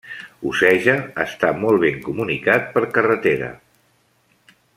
Oceja està molt ben comunicat per carretera.